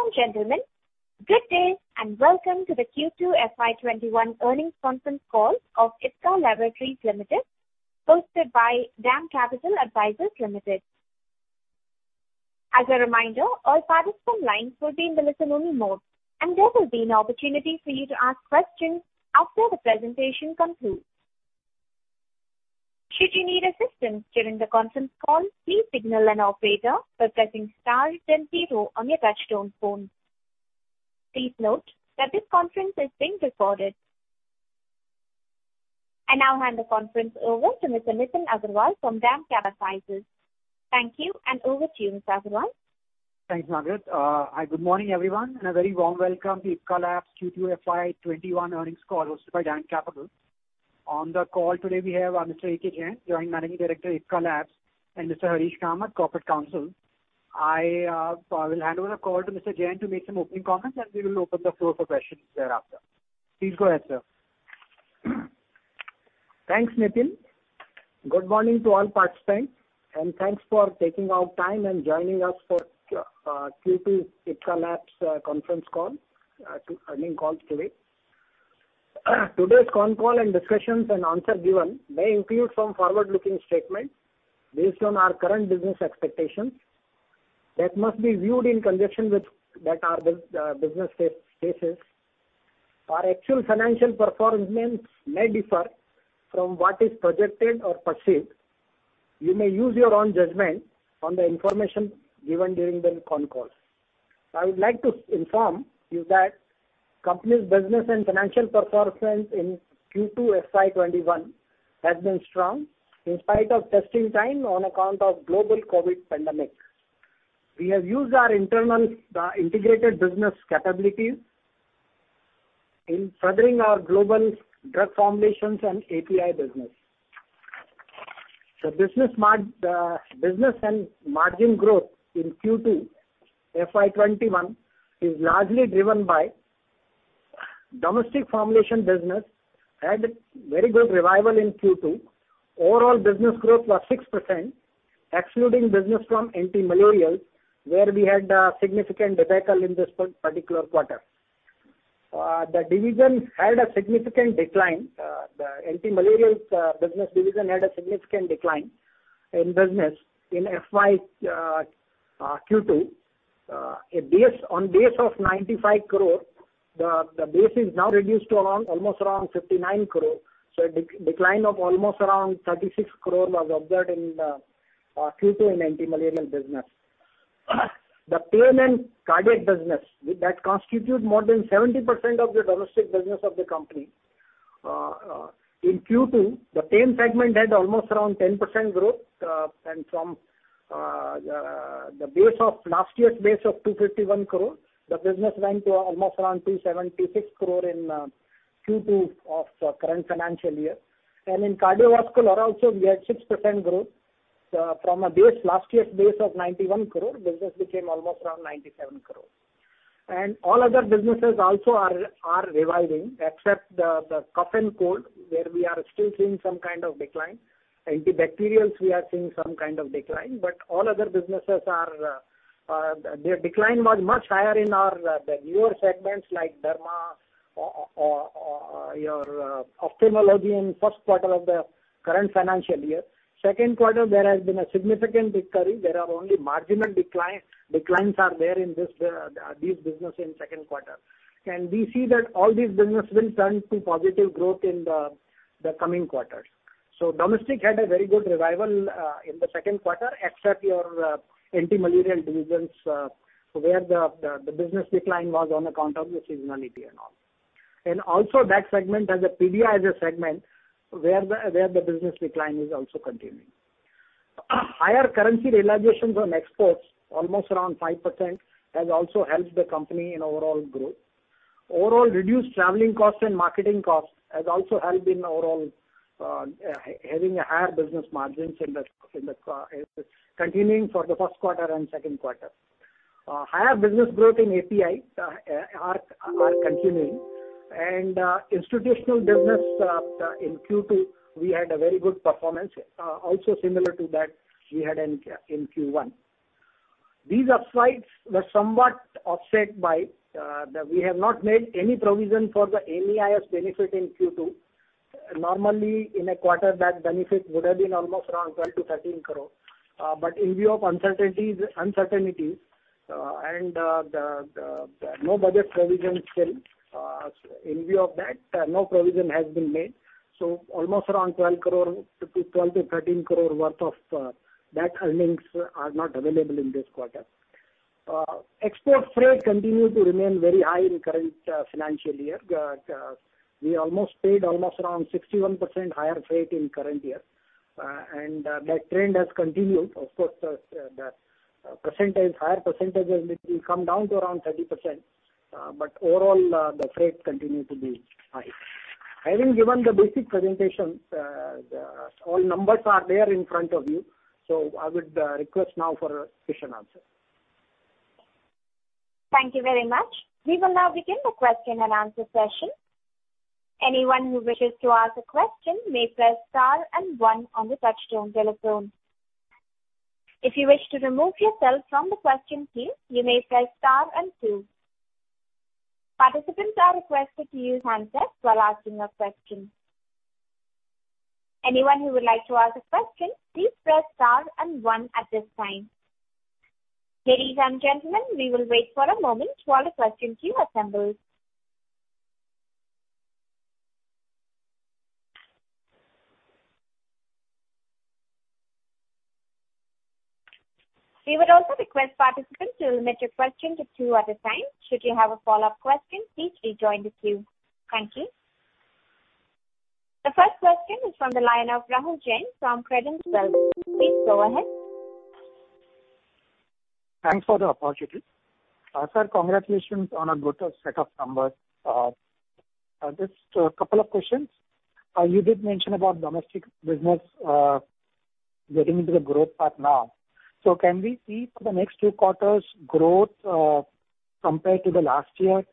Ladies and gentlemen, good day, and welcome to the Q2 FY 2021 earnings conference call of Ipca Laboratories Limited, hosted by DAM Capital Advisors Limited. As a reminder, all participant lines will be in the listen-only mode, and there will be an opportunity for you to ask questions after the presentation concludes. Should you need assistance during the conference call, please signal an operator by pressing star then zero on your touchtone phone. Please note that this conference is being recorded. I now hand the conference over to Mr. Nitin Agarwal from DAM Capital Advisors. Thank you, and over to you, Mr. Agarwal. Thanks, Margaret. Hi, good morning, everyone, and a very warm welcome to Ipca Labs Q2 FY 2021 earnings call hosted by DAM Capital. On the call today, we have Mr. A.K. Jain, Joint Managing Director, Ipca Labs, and Mr. Harish Kamath, Corporate Counsel. I will hand over the call to Mr. Jain to make some opening comments, and we will open the floor for questions thereafter. Please go ahead, sir. Thanks, Nitin. Good morning to all participants, and thanks for taking out time and joining us for Q2 Ipca Laboratories conference call, earnings call today. Today's con call and discussions and answers given may include some forward-looking statements based on our current business expectations that must be viewed in conjunction with our business cases. Our actual financial performance may differ from what is projected or perceived. You may use your own judgment on the information given during the con call. I would like to inform you that the company's business and financial performance in Q2 FY 2021 has been strong in spite of testing time on account of global COVID pandemic. We have used our internal integrated business capabilities in furthering our global drug formulations and API business. The business and margin growth in Q2 FY 2021 is largely driven by domestic formulation business, had a very good revival in Q2. Overall business growth was 6%, excluding business from antimalarials, where we had a significant debacle in this particular quarter. The division had a significant decline. The antimalarials business division had a significant decline in business in FY Q2. On base of 95 crore, the base is now reduced to almost around 59 crore. A decline of almost around 36 crore was observed in Q2 in antimalarial business. The pain and cardiac business that constitute more than 70% of the domestic business of the company. In Q2, the pain segment had almost around 10% growth, from the base of last year's base of 251 crore, the business went to almost around 276 crore in Q2 of current financial year. In cardiovascular also, we had 6% growth. From a base, last year's base of 91 crore, business became almost around 97 crore. All other businesses also are reviving except the cough and cold, where we are still seeing some kind of decline. Antibacterials, we are seeing some kind of decline, but all other businesses, their decline was much higher in our newer segments like derma or your ophthalmology in first quarter of the current financial year. Second quarter, there has been a significant recovery. There are only marginal declines are there in these businesses in the second quarter. We see that all these businesses will turn to positive growth in the coming quarters. Domestic had a very good revival in the second quarter, except your antimalarial divisions, where the business decline was on account of the seasonality and all. Also that segment as a PBI segment, where the business decline is also continuing. Higher currency realizations on exports, almost around 5%, has also helped the company in overall growth. Overall reduced traveling costs and marketing costs has also helped in overall having higher business margins continuing for the first quarter and second quarter. Institutional business in Q2, we had a very good performance, also similar to that we had in Q1. These upsides were somewhat offset by the fact that we have not made any provision for the MEIS benefit in Q2. Normally, in a quarter, that benefit would have been almost around 12 crore-13 crore. In view of uncertainties, and no budget provision still, in view of that, no provision has been made. Almost around 12 crore-13 crore worth of that earnings are not available in this quarter. Export freight continued to remain very high in current financial year. We almost paid almost around 61% higher freight in current year. That trend has continued. Of course, the higher percentages will come down to around 30%, but overall, the freight continued to be high. Having given the basic presentation, all numbers are there in front of you. I would request now for question answer. Thank you very much. We will now begin the question and answer session. Anyone who wishes to ask a question may press star and one on the touchtone telephone. If you wish to remove yourself from the question queue, you may press star and two. Participants are requested to use handsets while asking a question. Anyone who would like to ask a question, please press star and one at this time. Ladies and gentlemen, we will wait for a moment while the question queue assembles. We would also request participants to limit your question to two at a time. Should you have a follow-up question, please rejoin the queue. Thank you. The first question is from the line of Rahul Jain from Credence Wealth. Please go ahead. Thanks for the opportunity. Sir, congratulations on a good set of numbers. Just a couple of questions. You did mention about domestic business getting into the growth path now. Can we see for the next two quarters growth, compared to the last year?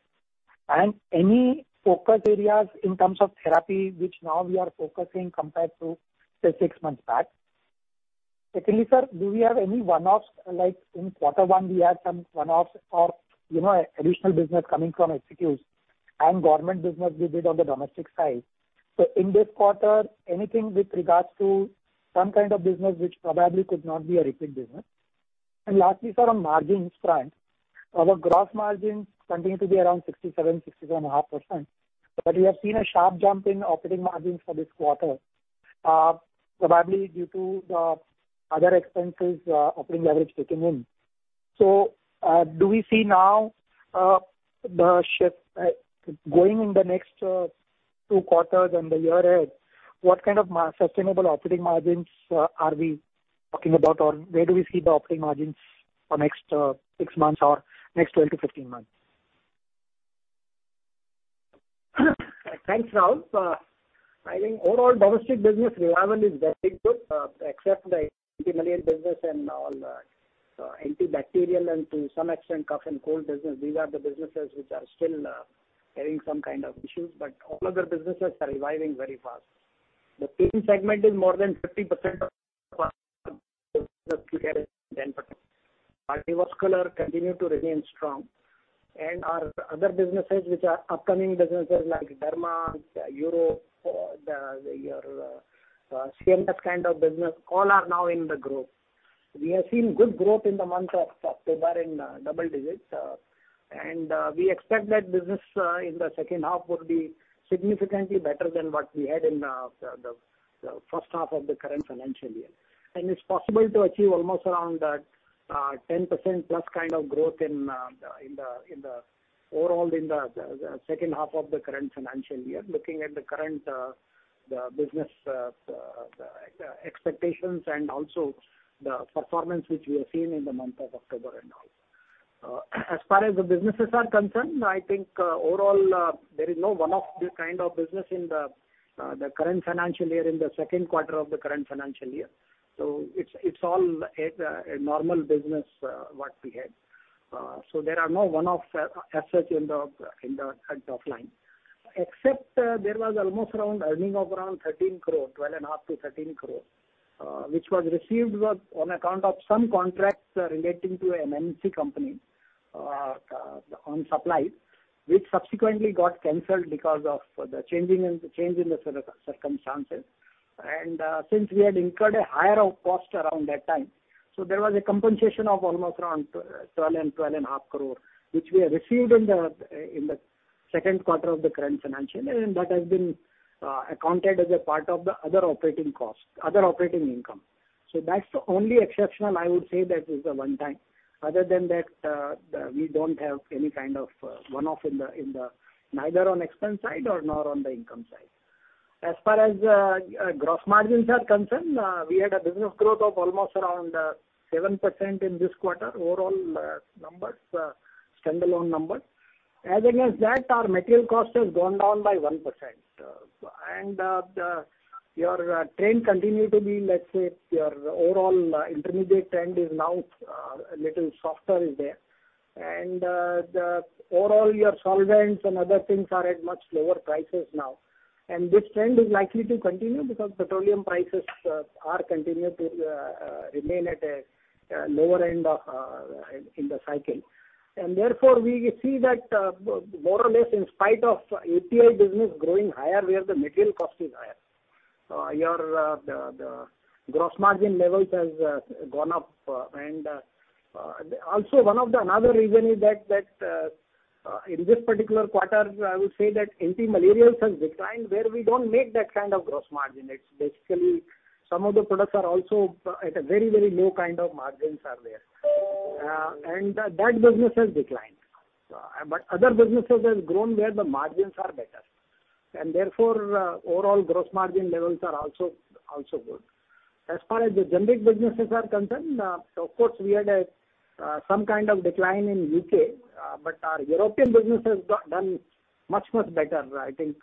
Any focus areas in terms of therapy, which now we are focusing compared to, say, six months back? Secondly, sir, do we have any one-offs, like in quarter one, we had some one-offs for additional business coming from HCQS and government business we did on the domestic side. In this quarter, anything with regards to some kind of business which probably could not be a repeat business? Lastly, sir, on margins front. Our gross margins continue to be around 67.5%, but we have seen a sharp jump in operating margins for this quarter, probably due to the other expenses, operating leverage kicking in. Do we see now the shift going in the next two quarters and the year ahead? What kind of sustainable operating margins are we talking about, or where do we see the operating margins for next six months or next 12-15 months? Thanks, Rahul. I think overall domestic business revival is very good, except the antimalarial business and all the antibacterial and to some extent, cough and cold business. These are the businesses which are still having some kind of issues, all other businesses are reviving very fast. The pain segment is more than 50% of cardiovascular continue to remain strong. Our other businesses, which are upcoming businesses like Derma, Uro, your CNS kind of business, all are now in the group. We have seen good growth in the month of October in double digits. We expect that business in the second half would be significantly better than what we had in the first half of the current financial year. It's possible to achieve almost around 10% plus kind of growth overall in the second half of the current financial year, looking at the current business expectations and also the performance which we have seen in the month of October and all. As far as the businesses are concerned, I think overall there is no one-off kind of business in the second quarter of the current financial year. It's all a normal business, what we had. There are no one-offs as such in the top line. Except there was almost around earning of around 13 crore, 12.5 crore-13 crore, which was received on account of some contracts relating to an MNC company on supply, which subsequently got canceled because of the change in the circumstances. Since we had incurred a higher cost around that time, there was a compensation of almost around 12 and 12.5 crore, which we have received in the second quarter of the current financial year. That has been accounted as a part of the other operating income. That's the only exceptional I would say that is a one-time. Other than that, we don't have any kind of one-off neither on expense side nor on the income side. As far as gross margins are concerned, we had a business growth of almost around 7% in this quarter, overall standalone numbers. As against that, our material cost has gone down by 1%. Your trend continue to be, let's say, your overall intermediate trend is now a little softer there. The overall your solvents and other things are at much lower prices now. This trend is likely to continue because petroleum prices are continuing to remain at a lower end in the cycle. Therefore, we see that more or less in spite of API business growing higher, where the material cost is higher. The gross margin levels has gone up. Also one of the another reason is that in this particular quarter, I would say that antimalarials has declined where we don't make that kind of gross margin. It's basically some of the products are also at a very low kind of margins are there. That business has declined. Other businesses have grown where the margins are better. Therefore, overall gross margin levels are also good. As far as the generic businesses are concerned, of course, we had some kind of decline in U.K., but our European business has done much better. I think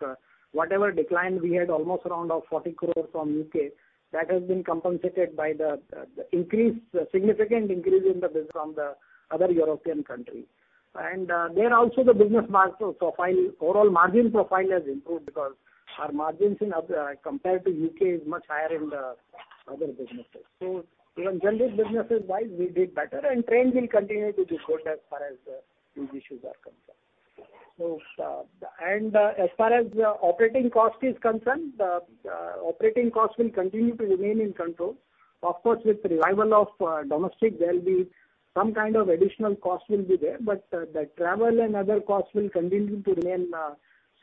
whatever decline we had almost around 40 crore from U.K., that has been compensated by the significant increase in the business from the other European countries. There also the business profile, overall margin profile has improved because our margins compared to U.K. is much higher in the other businesses. In general businesses wise, we did better and trend will continue to be good as far as these issues are concerned. As far as operating cost is concerned, operating cost will continue to remain in control. Of course, with revival of domestic, there'll be some kind of additional cost will be there, but the travel and other costs will continue to remain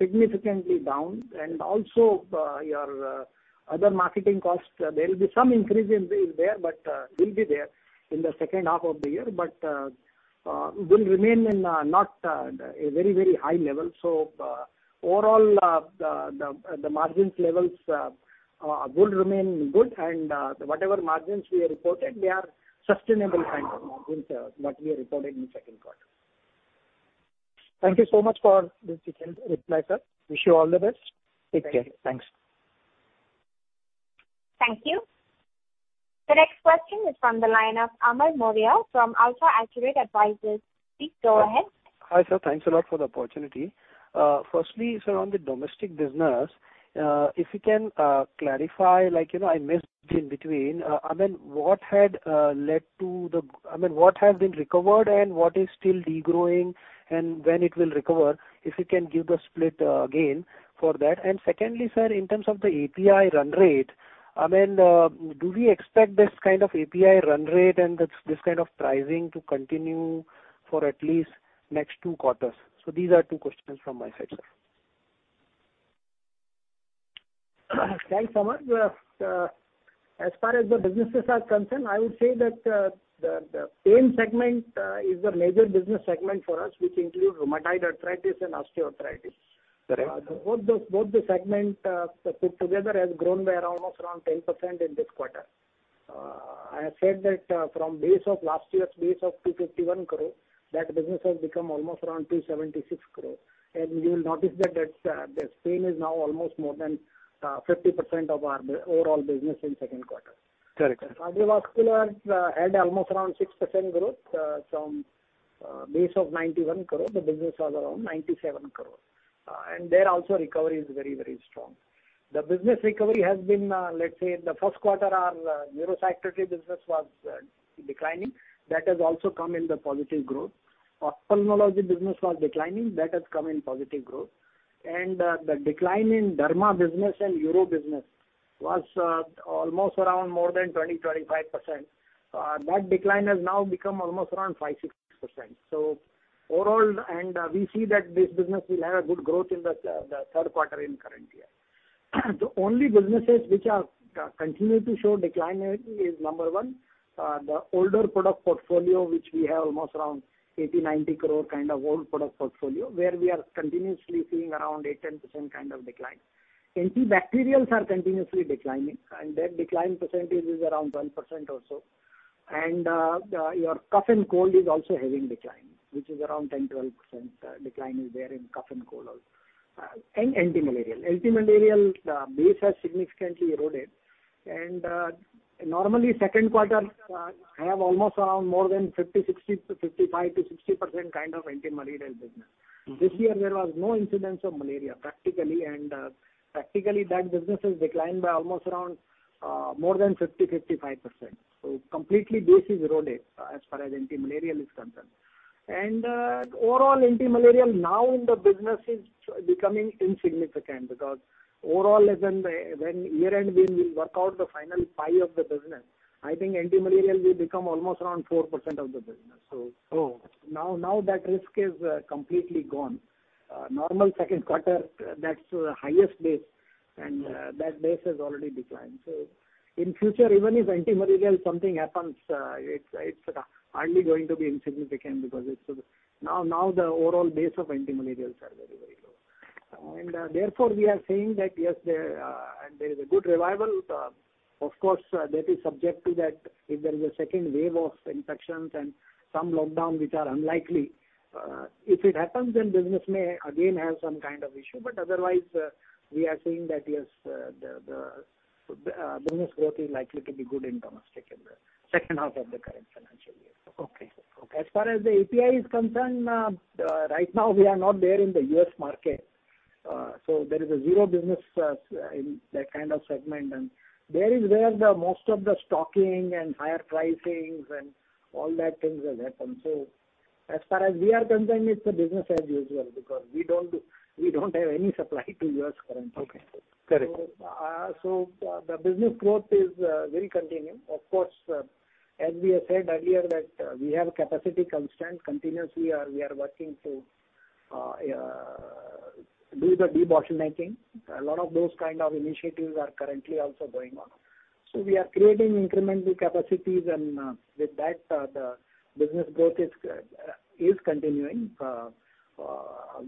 significantly down. Also your other marketing costs, there'll be some increase will be there in the second half of the year, but will remain in not a very high level. Overall, the margins levels will remain good and whatever margins we have reported, they are sustainable kind of margins that we have reported in second quarter. Thank you so much for the detailed reply, sir. Wish you all the best. Take care. Thanks. Thank you. The next question is from the line of Amar Maurya from AlfAccurate Advisors. Please go ahead. Hi, sir. Thanks a lot for the opportunity. Firstly, sir, on the domestic business, if you can clarify, I missed in between. I mean, what has been recovered and what is still de-growing, and when it will recover? If you can give the split again for that. Secondly, sir, in terms of the API run rate, I mean, do we expect this kind of API run rate and this kind of pricing to continue for at least next two quarters? So these are two questions from my side, sir. Thanks, Amar. As far as the businesses are concerned, I would say that the pain segment is the major business segment for us, which includes rheumatoid arthritis and osteoarthritis. Correct. Both the segment put together has grown by almost around 10% in this quarter. I have said that from base of last year's base of 251 crore, that business has become almost around 276 crore. You will notice that pain is now almost more than 50% of our overall business in second quarter. Correct. Cardiovascular had almost around 6% growth. From base of 91 crore, the business was around 97 crore. There also, recovery is very strong. The business recovery has been, let's say in the first quarter, our neuropsychiatry business was declining. That has also come in the positive growth. Ophthalmology business was declining. That has come in positive growth. The decline in Derma business and Uro business was almost around more than 20%-25%. That decline has now become almost around 5%-6%. We see that this business will have a good growth in the third quarter in current year. The only businesses which are continue to show decline is number one the older product portfolio, which we have almost around 80 crore-90 crore kind of old product portfolio, where we are continuously seeing around 8%-10% kind of decline. Antibacterials are continuously declining, and that decline percentage is around 1% or so. Your cough and cold is also having decline, which is around 10%-12% decline is there in cough and cold also. Antimalarial base has significantly eroded. Normally second quarter have almost around more than 50%, 60%, 55%-60% kind of antimalarial business. This year there was no incidence of malaria practically, and practically that business has declined by almost around more than 50%, 55%. Completely base is eroded as far as antimalarial is concerned. Overall antimalarial now in the business is becoming insignificant because overall as when year-end we will work out the final pie of the business, I think antimalarial will become almost around 4% of the business. Oh. Now that risk is completely gone. Normal second quarter, that's the highest base and that base has already declined. In future, even if antimalarial something happens, it's hardly going to be insignificant because now the overall base of antimalarials are very low. Therefore, we are saying that, yes, there is a good revival. Of course, that is subject to that if there is a second wave of infections and some lockdown, which are unlikely. If it happens, then business may again have some kind of issue. Otherwise, we are seeing that, yes the business growth is likely to be good in domestic in the second half of the current financial year. Okay. As far as the API is concerned right now we are not there in the U.S. market. There is a zero business in that kind of segment. There is where the most of the stocking and higher pricings and all that things has happened. As far as we are concerned, it's a business as usual because we don't have any supply to U.S. currently. Okay. Correct. The business growth will continue. Of course, as we have said earlier that we have capacity constraint. Continuously we are working to do the debottlenecking. A lot of those kind of initiatives are currently also going on. We are creating incremental capacities and with that the business growth is continuing.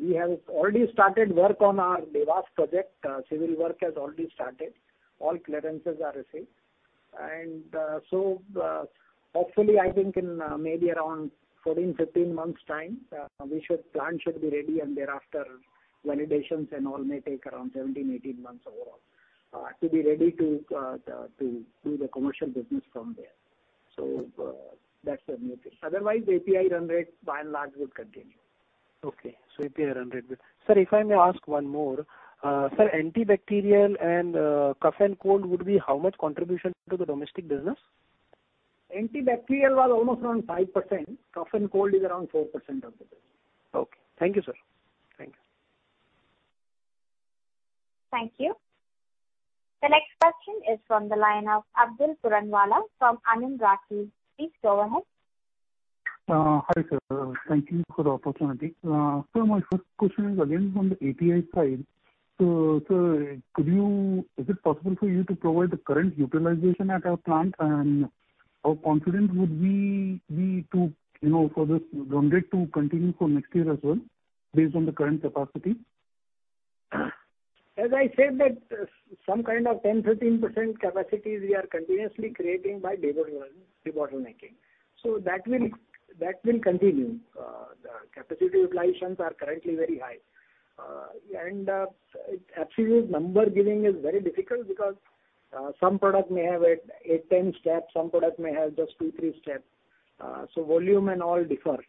We have already started work on our Dewas project. Civil work has already started. All clearances are received. Hopefully, I think in maybe around 14, 15 months' time plant should be ready and thereafter validations and all may take around 17, 18 months overall to be ready to do the commercial business from there. That's a new thing. Otherwise, the API run rate by and large will continue. Okay. API run rate will. Sir, if I may ask one more. Sir, antibacterial and cough and cold would be how much contribution to the domestic business? Antibacterial was almost around 5%. cough and cold is around 4% of the business. Okay. Thank you, sir. Thanks. Thank you. The next question is from the line of Abdul Puranwala from Anand Rathi. Please go ahead. Hi, sir. Thank you for the opportunity. Sir, my first question is again from the API side. Sir, is it possible for you to provide the current utilization at your plant and how confident would we be for this run rate to continue for next year as well based on the current capacity? As I said that some kind of 10, 13% capacities we are continuously creating by debottlenecking. That will continue. The capacity utilizations are currently very high. Absolute number giving is very difficult because some product may have eight, 10 steps, some product may have just two, three steps. Volume and all differs.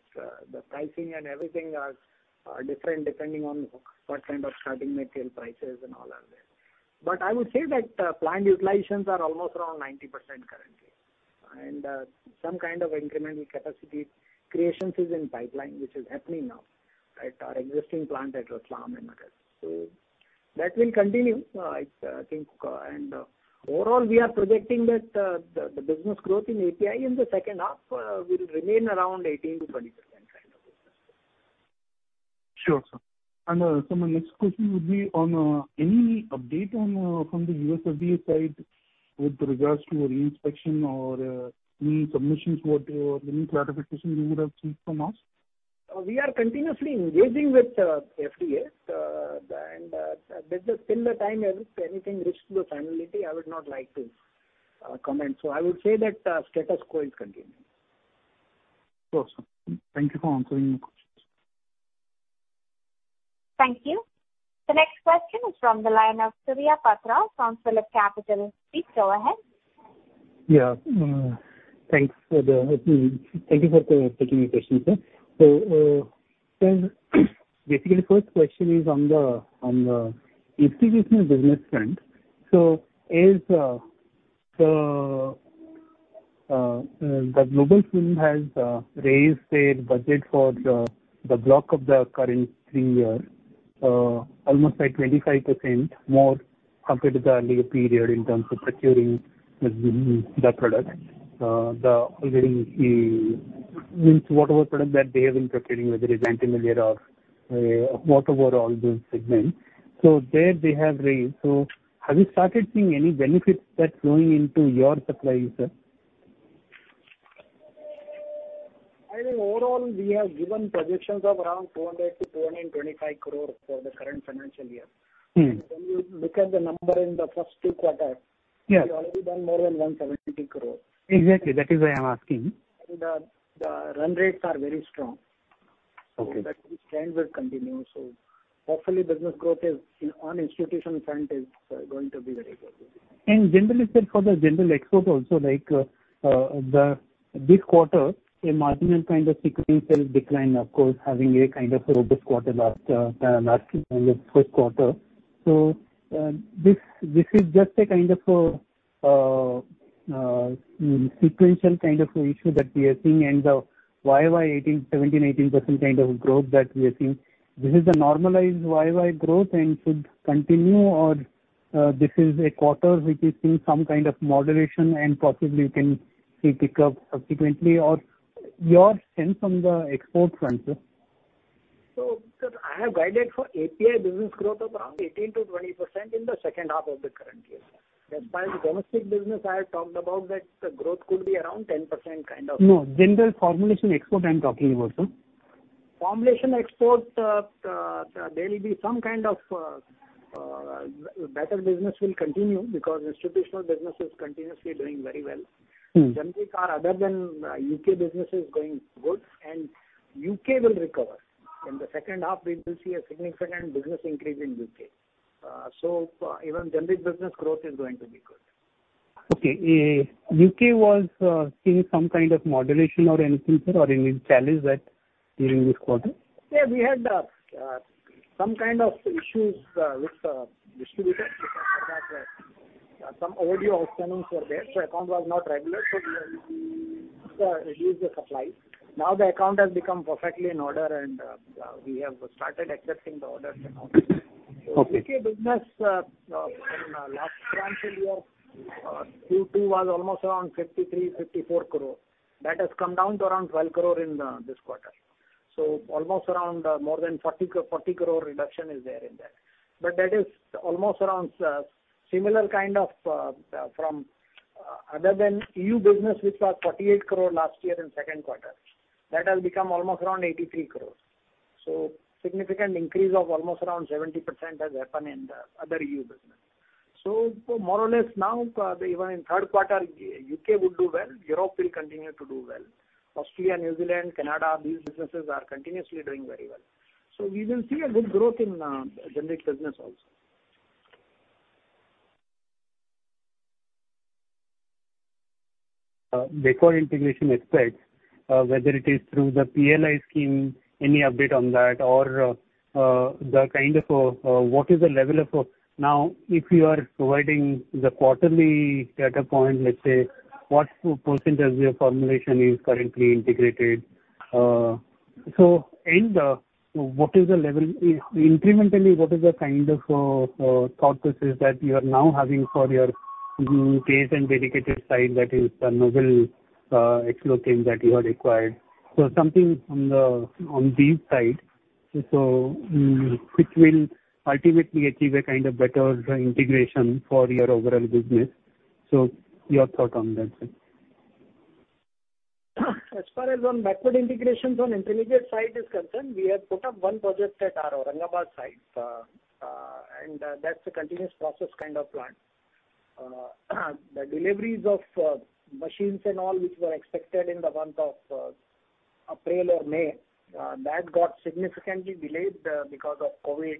The pricing and everything are different depending on what kind of starting material prices and all are there. I would say that plant utilizations are almost around 90% currently, and some kind of incremental capacity creations is in pipeline, which is happening now at our existing plant at Ratlam and others. That will continue, I think. Overall, we are projecting that the business growth in API in the second half will remain around 18%-20% kind of business. Sure, sir. Sir, my next question would be on any update from the U.S. FDA side with regards to reinspection or any submissions, any clarification you would have seek from us? We are continuously engaging with FDA. Till the time anything reaches to the finality, I would not like to comment. I would say that status quo is continuing. Sure, sir. Thank you for answering my questions. Thank you. The next question is from the line of Surya Patra from PhillipCapital. Please go ahead. Thank you for taking my question, sir. Basically, first question is on the institutional business front. As the Global Fund has raised their budget for the block of the current three year almost by 25% more compared to the earlier period in terms of procuring the product. Means whatever product that they have been procuring, whether it's antimalarial or whatever, all those segments. There they have raised. Have you started seeing any benefits that's flowing into your supplies, sir? I think overall, we have given projections of around 200 crore-225 crore for the current financial year. When you look at the number in the first two quarters. Yeah. We've already done more than 170 crore. Exactly. That is why I'm asking. The run rates are very strong. Okay. That trend will continue. Hopefully business growth on institutional front is going to be very good. Generally, sir, for the general export also, like this quarter, a marginal kind of sequential decline, of course, having a kind of a robust quarter last [fiscal] quarter. This is just a kind of a sequential kind of issue that we are seeing and the YoY 17%, 18% kind of growth that we are seeing. This is the normalized YoY growth and should continue or this is a quarter which is seeing some kind of moderation and possibly we can see pickup subsequently or your sense from the export front, sir? I have guided for API business growth of around 18%-20% in the second half of the current year. As far as domestic business, I have talked about that the growth could be around 10%. No. General formulation export I'm talking about, sir. Formulation export, there will be some kind of better business will continue because institutional business is continuously doing very well. Generics are other than U.K. business is going good and U.K. will recover. In the second half, we will see a significant business increase in U.K. Even generic business growth is going to be good. Okay. U.K. was seeing some kind of moderation or anything, sir, or any challenge that during this quarter? Yeah, we had some kind of issues with distributors because of that some overdue outstandings were there, so account was not regular, so we had to reduce the supply. Now the account has become perfectly in order, and we have started accepting the orders and all. Okay. U.K. business in last financial year, Q2 was almost around 53 crore-54 crore. That has come down to around 12 crore in this quarter. Almost around more than 40 crore reduction is there in that. That is almost around similar kind of from other than EU business, which was 48 crore last year in second quarter. That has become almost around 83 crore. Significant increase of almost around 70% has happened in the other EU business. More or less now, even in third quarter, U.K. would do well, Europe will continue to do well. Australia, New Zealand, Canada, these businesses are continuously doing very well. We will see a good growth in generic business also. Backward integration aspects, whether it is through the PLI scheme, any update on that, or what is the level of now, if you are providing the quarterly data point, let's say, what percent of your formulation is currently integrated? In the, incrementally, what is the kind of thought process that you are now having for your case and dedicated site that is the Noble Explochem that you have acquired? Something on these sides which will ultimately achieve a kind of better integration for your overall business. Your thought on that sir. As far as on backward integrations on intermediate side is concerned, we have put up one project at our Aurangabad site, and that's a continuous process kind of plant. The deliveries of machines and all, which were expected in the month of April or May, that got significantly delayed because of COVID.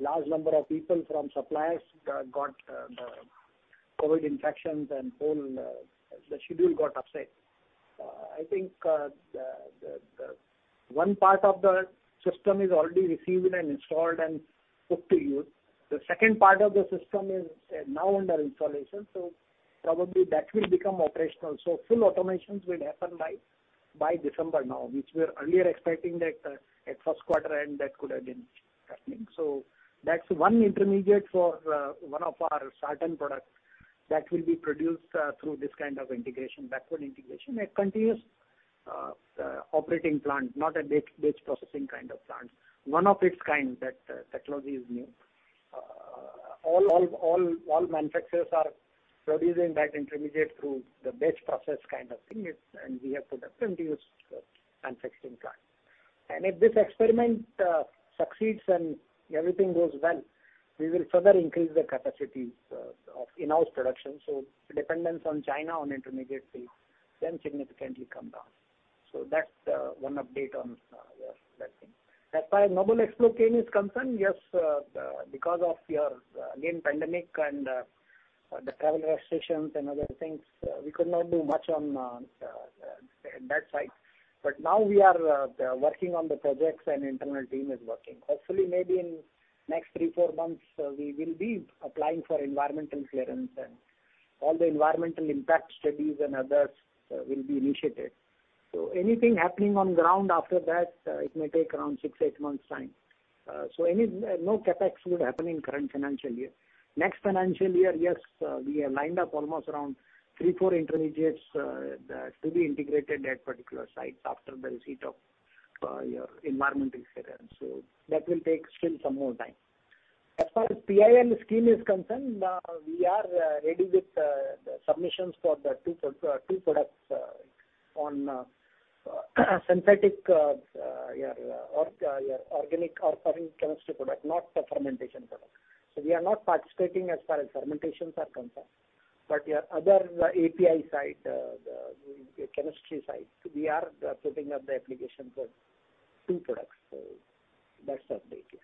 Large number of people from suppliers got the COVID infections, and the whole schedule got upset. I think one part of the system is already received and installed and put to use. The second part of the system is now under installation, so probably that will become operational. Full automations will happen by December now, which we're earlier expecting that at first quarter end, that could have been happening. That's one intermediate for one of our sartan products that will be produced through this kind of backward integration. A continuous operating plant, not a batch processing kind of plant. One of its kind, that technology is new. All manufacturers are producing that intermediate through the batch process kind of thing, and we have put up continuous manufacturing plant. If this experiment succeeds and everything goes well, we will further increase the capacities of in-house production, so dependence on China on intermediate sales can significantly come down. That's one update on that thing. As far as Noble Explochem is concerned, yes, because of again, pandemic and the travel restrictions and other things, we could not do much on that side. Now we are working on the projects and internal team is working. Hopefully maybe in next three, four months, we will be applying for environmental clearance and all the environmental impact studies and others will be initiated. Anything happening on ground after that, it may take around six, eight months time. No CapEx would happen in current financial year. Next financial year, yes, we have lined up almost around three, four intermediates to be integrated at particular sites after the receipt of your environmental clearance. That will take still some more time. As far as PLI scheme is concerned, we are ready with the submissions for the two products on organic or [inaudible] chemistry product, not a fermentation product. We are not participating as far as fermentations are concerned. Your other API side, the chemistry side, we are putting up the applications of two products. That's the update here.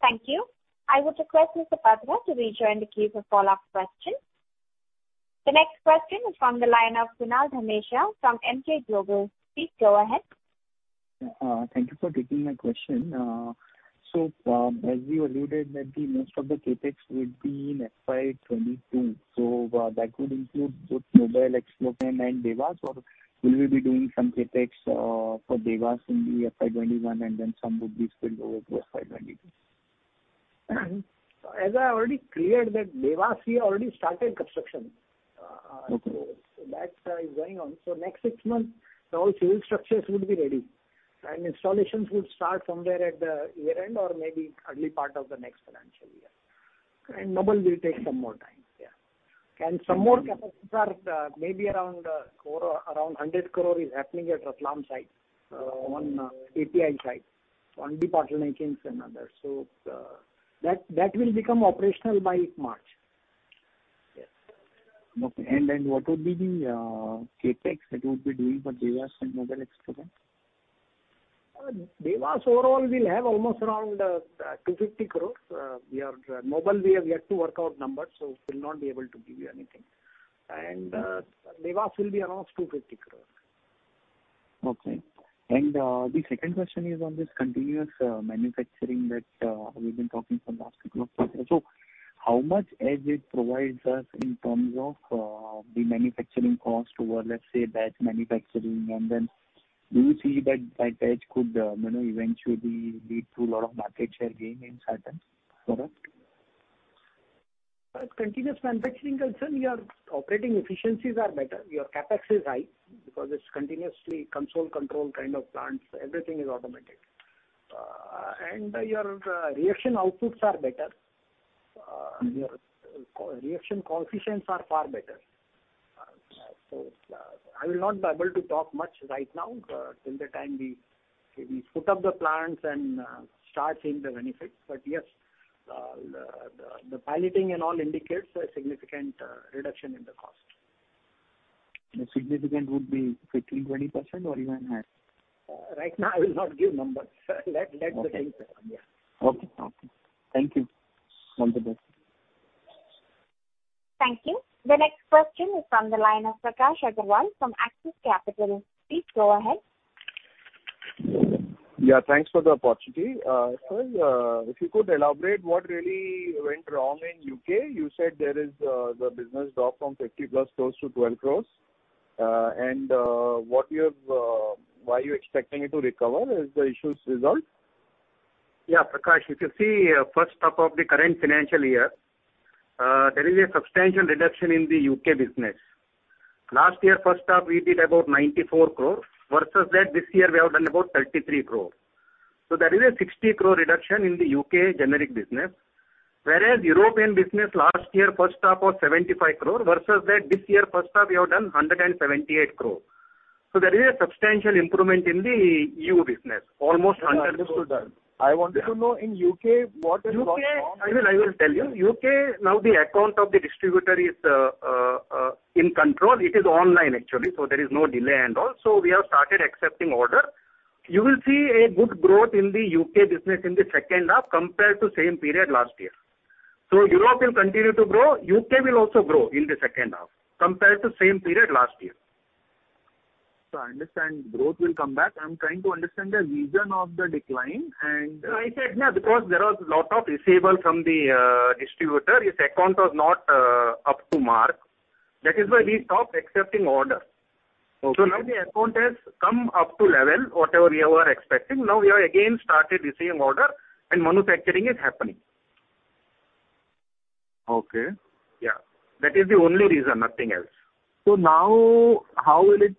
Thank you. I would request Mr. Patra to rejoin the queue for follow-up questions. The next question is from the line of Kunal Dhamesha from Emkay Global. Please go ahead. Thank you for taking my question. As we alluded that the most of the CapEx would be in FY 2022, so that would include both Noble Explochem and Dewas, or will we be doing some CapEx for Dewas in the FY 2021 and then some would be spilled over to FY 2022? As I already cleared that Dewas we already started construction. Okay. That is going on. Next six months, all civil structures would be ready, and installations will start somewhere at the year-end or maybe early part of the next financial year. Noble Explochem will take some more time, yeah. Some more capacities are maybe around 100 crore is happening at Ratlam site on API side, on debottlenecking and others. That will become operational by March. Yes. Okay. What would be the CapEx that you would be doing for Dewas and Noble Explochem? Dewas overall will have almost around 250 crore. Noble we have yet to work out numbers, so will not be able to give you anything. Dewas will be around 250 crore. Okay. The second question is on this continuous manufacturing that we've been talking from last couple of quarters. How much edge it provides us in terms of the manufacturing cost over, let's say, batch manufacturing? Do you see that batch could eventually lead to lot of market share gain in certain product? As continuous manufacturing concerned, your operating efficiencies are better. Your CapEx is high because it's continuously console control kind of plants, everything is automatic. Your reaction outputs are better. Your reaction coefficients are far better. I will not be able to talk much right now till the time we put up the plants and start seeing the benefits. Yes, the piloting and all indicates a significant reduction in the cost. The significant would be 15%, 20% or even higher? Right now, I will not give numbers. Let the thing come. Yeah. Okay. Thank you. All the best. Thank you. The next question is from the line of Prakash Agarwal from Axis Capital. Please go ahead. Yeah, thanks for the opportunity. Sir, if you could elaborate what really went wrong in U.K.? You said there is the business dropped from 50 crores+ to 12 crores. Why you're expecting it to recover? Has the issues resolved? Prakash. If you see first half of the current financial year, there is a substantial reduction in the U.K. business. Last year first half, we did about 94 crore, versus that this year we have done about 33 crore. There is a 60 crore reduction in the U.K. generic business. European business last year first half was 75 crore, versus that this year first half we have done 178 crore. There is a substantial improvement in the EU business, almost hundred. Understood that. I wanted to know in U.K. what has gone wrong? I will tell you. U.K., now the account of the distributor is in control. It is online, actually, there is no delay at all. We have started accepting order. You will see a good growth in the U.K. business in the second half compared to same period last year. Europe will continue to grow, U.K. will also grow in the second half compared to same period last year. I understand growth will come back. I'm trying to understand the reason of the decline. No, I said because there was lot of receivable from the distributor, his account was not up to mark. That is why we stopped accepting order. Okay. Now the account has come up to level, whatever we were expecting. Now we have again started receiving order and manufacturing is happening. Okay. Yeah. That is the only reason. Nothing else. Now how will it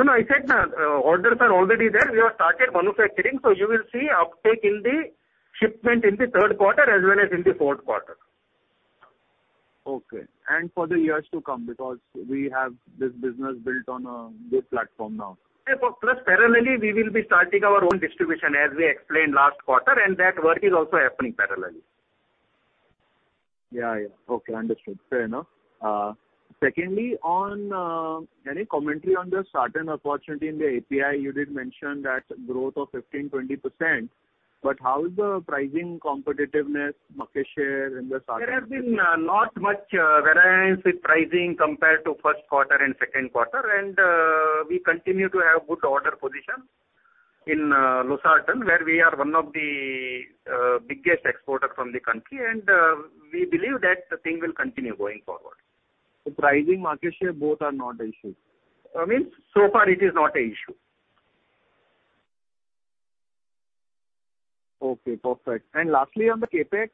revive? No, I said orders are already there. We have started manufacturing. You will see uptake in the shipment in the third quarter as well as in the fourth quarter. Okay. For the years to come, because we have this business built on a good platform now. Yeah. Parallelly, we will be starting our own distribution, as we explained last quarter, and that work is also happening parallelly. Yeah. Okay, understood. Fair enough. Any commentary on the sartan opportunity in the API, you did mention that growth of 15%-20%, but how is the pricing competitiveness market share in the sartan? There has been not much variance with pricing compared to first quarter and second quarter. We continue to have good order position in losartan, where we are one of the biggest exporter from the country, and we believe that the thing will continue going forward. Pricing, market share, both are not the issue. I mean, so far it is not a issue. Okay, perfect. Lastly, on the CapEx,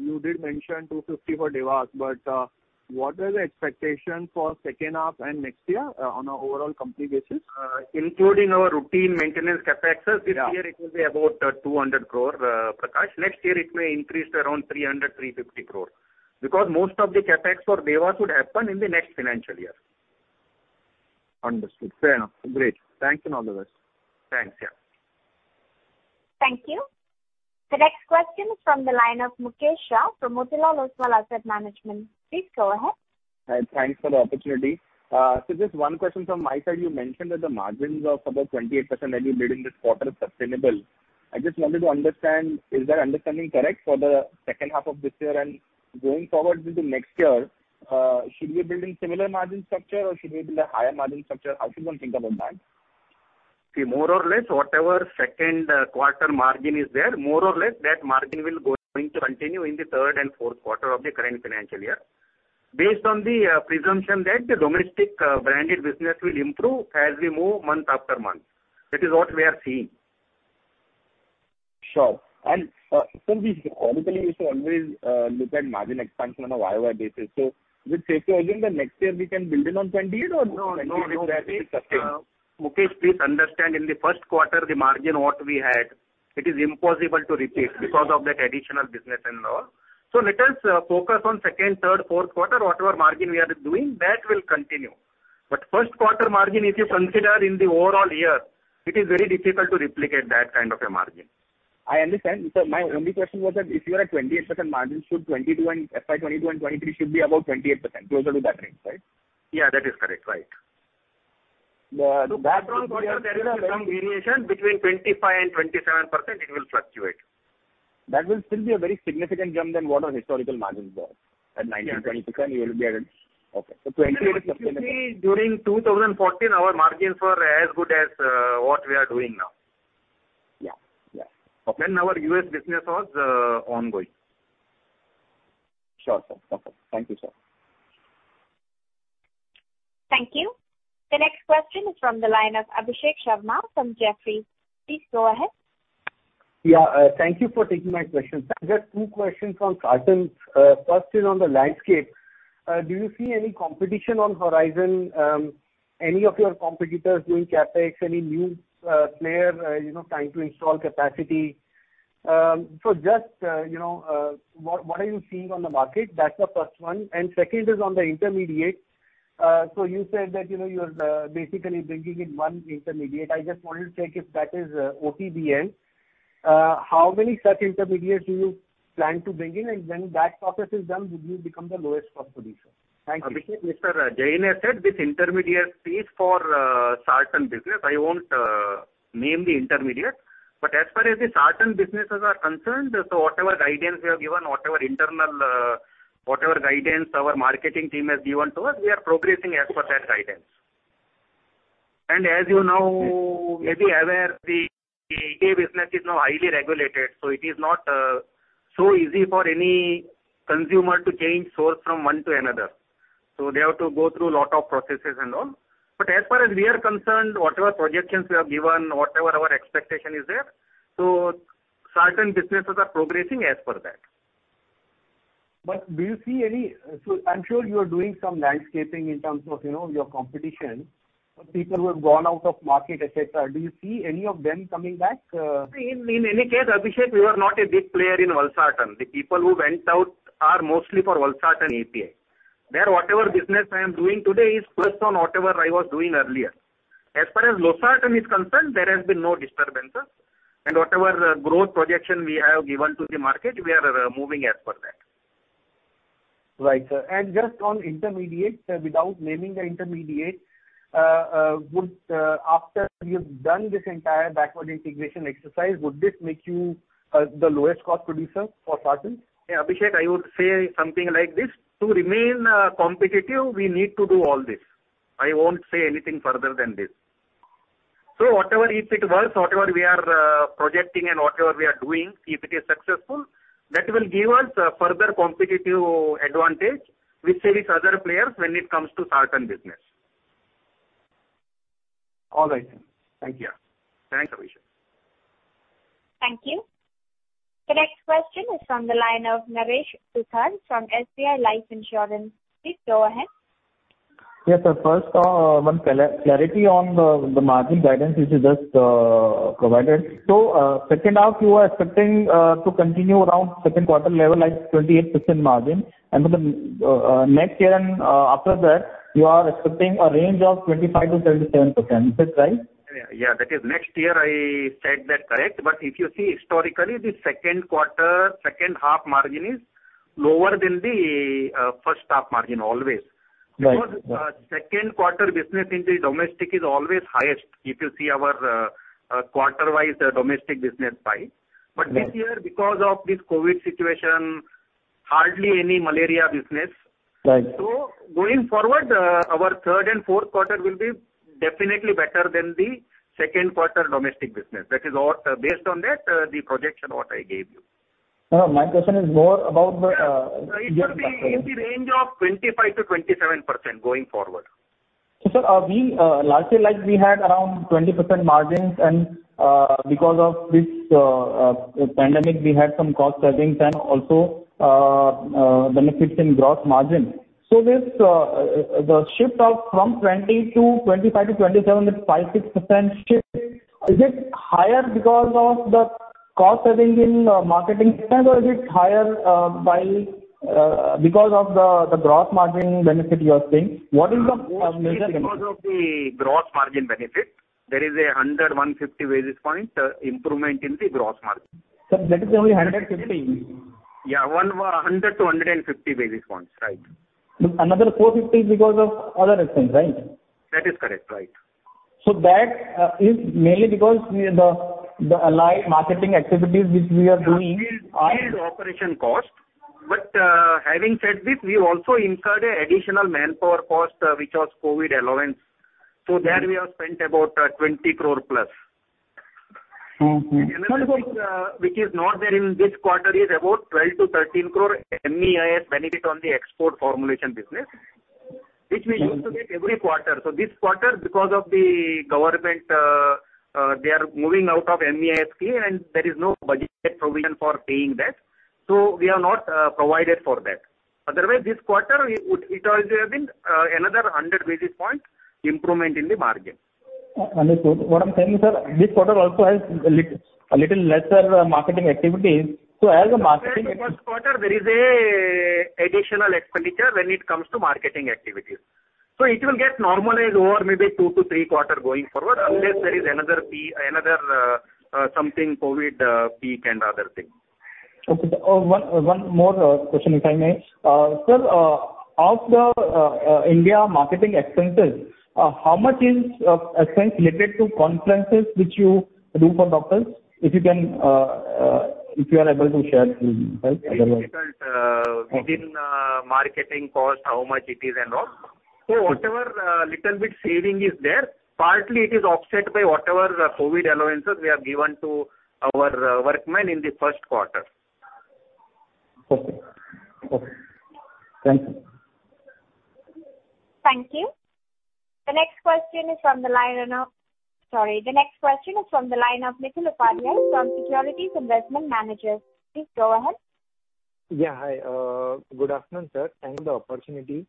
you did mention 250 for Dewas, what are the expectations for second half and next year on an overall company basis? Including our routine maintenance CapEx. Yeah. This year it will be about 200 crore, Prakash. Next year it may increase to around 300 crore-350 crore. Most of the CapEx for Dewas would happen in the next financial year. Understood. Fair enough. Great. Thanks and all the best. Thanks. Yeah. Thank you. The next question is from the line of Mukesh Shah from Motilal Oswal Asset Management. Please go ahead. Thanks for the opportunity. Just one question from my side. You mentioned that the margins of about 28% that you made in this quarter is sustainable. I just wanted to understand, is that understanding correct for the second half of this year? Going forward into next year, should we be building similar margin structure or should we build a higher margin structure? How should one think about that? More or less, whatever second quarter margin is there, more or less that margin will continue in the third and fourth quarter of the current financial year. Based on the presumption that the domestic branded business will improve as we move month after month. That is what we are seeing. Sure. Sir, we historically used to always look at margin expansion on a YOY basis. Is it safe to assume that next year we can build in on 28. No. 28 is there to sustain. Mukesh, please understand, in the first quarter, the margin what we had, it is impossible to repeat because of that additional business and all. Let us focus on second, third, fourth quarter. Whatever margin we are doing, that will continue. First quarter margin, if you consider in the overall year, it is very difficult to replicate that kind of a margin. I understand. My only question was that if you are at 28% margin, FY 2022 and 2023 should be above 28%, closer to that range, right? Yeah, that is correct. Right. That- There is some variation between 25% and 27%, it will fluctuate. That will still be a very significant jump than what our historical margins were. At 19, 20% you will be at it. Okay. If you see during 2014, our margins were as good as what we are doing now. Yeah. Okay. When our U.S. business was ongoing. Sure, sir. Perfect. Thank you, sir. Thank you. The next question is from the line of Abhishek Sharma from Jefferies. Please go ahead. Yeah. Thank you for taking my question. Sir, just two questions on sartans. First is on the landscape. Do you see any competition on horizon, any of your competitors doing CapEx, any new player trying to install capacity? Just what are you seeing on the market? That's the first one. Second is on the intermediate. You said that you're basically bringing in one intermediate. I just wanted to check if that is OTBN. How many such intermediate do you plan to bring in? When that process is done, would you become the lowest cost producer? Thank you. Abhishek, Mr. Jain has said these intermediate fees for sartan business. I won't name the intermediates. As far as the sartan businesses are concerned, whatever guidance we have given, whatever internal guidance our marketing team has given to us, we are progressing as per that guidance. As you may be aware, the API business is now highly regulated, it is not so easy for any consumer to change source from one to another. They have to go through a lot of processes and all. As far as we are concerned, whatever projections we have given, whatever our expectation is there, sartan businesses are progressing as per that. I'm sure you are doing some landscaping in terms of your competition. People who have gone out of market, et cetera, do you see any of them coming back? In any case, Abhishek, we were not a big player in valsartan. The people who went out are mostly for valsartan API. There, whatever business I am doing today is plus on whatever I was doing earlier. As far as losartan is concerned, there has been no disturbance. Whatever growth projection we have given to the market, we are moving as per that. Right, sir. Just on intermediates, without naming the intermediate, after you've done this entire backward integration exercise, would this make you the lowest cost producer for sartan? Abhishek, I would say something like this. To remain competitive, we need to do all this. I won't say anything further than this. Whatever if it works, whatever we are projecting and whatever we are doing, if it is successful, that will give us further competitive advantage with these other players when it comes to sartan business. All right. Thank you. Thanks, Abhishek. Thank you. The next question is from the line of Naresh Suthar from SBI Life Insurance. Please go ahead. Yes, sir. First, one clarity on the margin guidance which you just provided. Second half, you are expecting to continue around second quarter level, like 28% margin, and for the next year and after that, you are expecting a range of 25%-27%. Is this right? Yeah, that is next year I said that correct. If you see historically, the second quarter, second half margin is lower than the first half margin always. Right. Second quarter business in the domestic is always highest, if you see our quarter-wise domestic business pie. This year, because of this COVID situation, hardly any malaria business. Right. Going forward, our third and fourth quarter will be definitely better than the second quarter domestic business. Based on that, the projection what I gave you. No, my question is more about the. Yeah. It will be in the range of 25%-27% going forward. Sir, last year we had around 20% margins and because of this pandemic, we had some cost savings and also benefits in gross margin. The shift from 20%-25%-27%, that 5%, 6% shift, is it higher because of the cost savings in marketing spend or is it higher because of the gross margin benefit you are seeing? What is the major benefit? Mostly it's because of the gross margin benefit. There is a 100, 150 basis points improvement in the gross margin. Sir, that is only 150. Yeah, 100 basis points-150 basis points. Right. Another 450 is because of other expense, right? That is correct. Right. That is mainly because the allied marketing activities which we are doing are. Field operation cost. Having said this, we also incurred additional manpower cost, which was COVID allowance. There we have spent about 20 crore+. Okay. Another thing which is not there in this quarter is about 12 crore-13 crore MEIS benefit on the export formulation business, which we used to get every quarter. This quarter because of the government, they are moving out of MEIS scheme and there is no budget provision for paying that. We have not provided for that. Otherwise this quarter it would have been another 100 basis points improvement in the margin. Understood. What I'm saying, sir, this quarter also has a little lesser marketing activities. First quarter, there is additional expenditure when it comes to marketing activities. It will get normalized over maybe two to three quarters going forward, unless there is another something COVID peak and other thing. Okay. One more question, if I may. Sir, of the India marketing expenses, how much is expense related to conferences which you do for doctors? If you are able to share. Very difficult within marketing cost, how much it is and all. Whatever little bit saving is there, partly it is offset by whatever COVID allowances we have given to our workmen in the first quarter. Okay. Thank you. Thank you. The next question is from the line of Nikhil Upadhyay from Securities Investment Managers. Please go ahead. Yeah, hi. Good afternoon, sir. Thank you for the opportunity.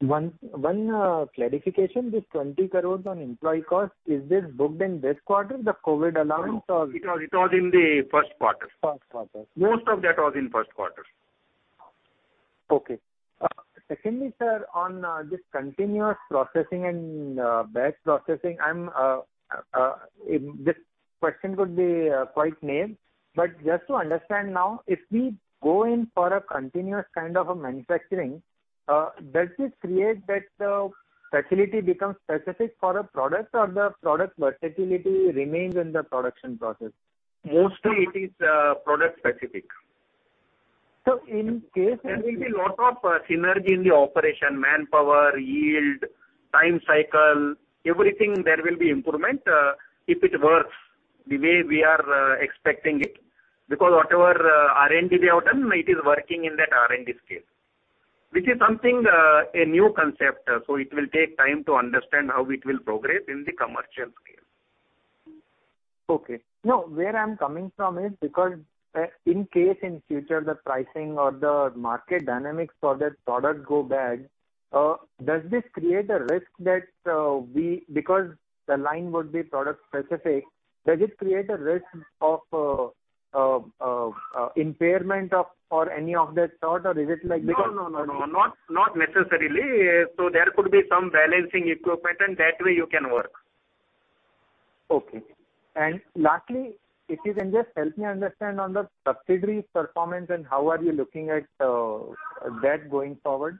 One clarification, this 20 crores on employee cost, is this booked in this quarter, the COVID allowance? No. It was in the first quarter. First quarter. Most of that was in first quarter. Okay. Secondly, sir, on this continuous processing and batch processing, this question could be quite naive, but just to understand now, if we go in for a continuous kind of a manufacturing, does this create that the facility becomes specific for a product or the product versatility remains in the production process? Mostly it is product specific. So in case- There will be lot of synergy in the operation, manpower, yield, time cycle, everything there will be improvement, if it works the way we are expecting it. Because whatever R&D we have done, it is working in that R&D scale. Which is something a new concept, so it will take time to understand how it will progress in the commercial scale. Okay. No, where I'm coming from is because, in case in future the pricing or the market dynamics for that product go bad, because the line would be product specific, does it create a risk of impairment of or any of that sort? No. Not necessarily. There could be some balancing equipment and that way you can work. Okay. Lastly, if you can just help me understand on the subsidiaries performance and how are you looking at that going forward?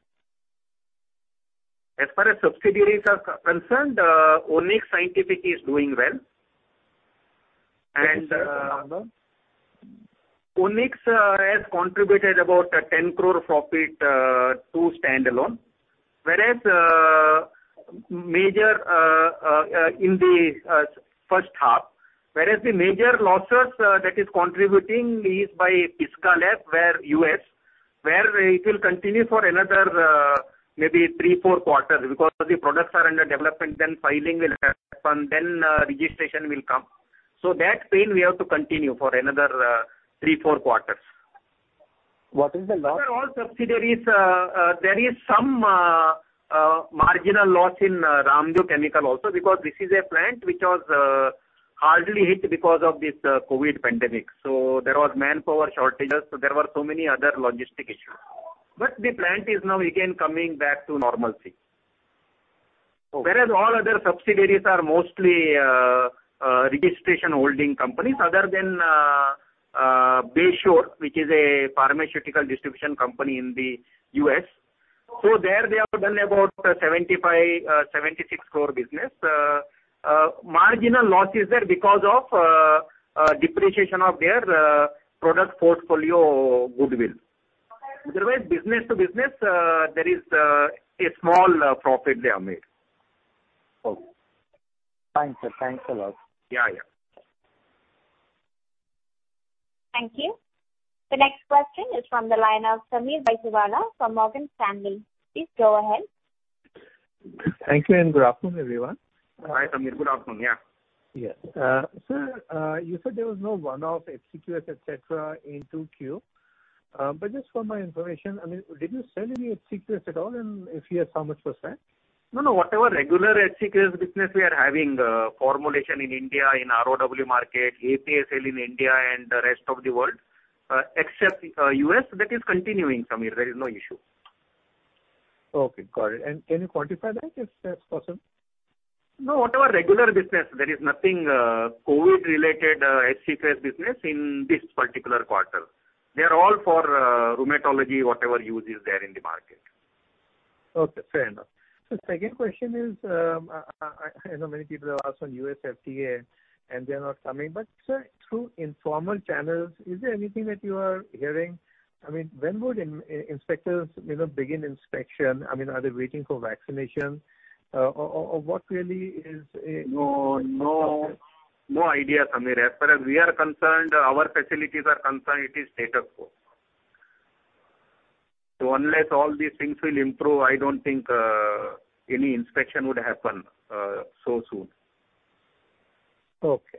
As far as subsidiaries are concerned, Onyx Scientific is doing well. Okay, sir. Onyx has contributed about an 10 crore profit to standalone in the first half. Whereas the major losses that is contributing is by Pisgah Labs, where U.S., where it will continue for another maybe three, four quarters because the products are under development, then filing will happen, then registration will come. That pain we have to continue for another three, four quarters. What is the loss? Sir, all subsidiaries, there is some marginal loss in Ramdev Chemical also because this is a plant which was hardly hit because of this COVID pandemic. There was manpower shortages. There were so many other logistic issues. The plant is now again coming back to normalcy. Okay. All other subsidiaries are mostly registration holding companies other than Bayshore, which is a pharmaceutical distribution company in the U.S. There they have done about 75, 76 crore business. Marginal loss is there because of depreciation of their product portfolio goodwill. Otherwise, business to business, there is a small profit they have made. Okay. Fine, sir. Thanks a lot. Yeah. Thank you. The next question is from the line of Sameer Baisiwala from Morgan Stanley. Please go ahead. Thank you, and good afternoon, everyone. Hi, Sameer. Good afternoon. Yeah. Yeah. Sir, you said there was no one-off HCQS et cetera in Q2. Just for my information, I mean, did you sell any HCQS at all? If yes, how much was that? No. Whatever regular HCQS business we are having, formulation in India, in ROW market, API in India and rest of the world except U.S., that is continuing, Sameer. There is no issue. Okay, got it. Can you quantify that if that's possible? No, whatever regular business, there is nothing COVID related HCQS business in this particular quarter. They are all for rheumatology, whatever use is there in the market. Okay, fair enough. Sir, second question is, I know many people have asked on U.S. FDA. They're not coming. Sir, through informal channels, is there anything that you are hearing? I mean, when would inspectors begin inspection? I mean, are they waiting for vaccination? What really is. No idea, Sameer. As far as we are concerned, our facilities are concerned, it is status quo. Unless all these things will improve, I don't think any inspection would happen so soon. Okay.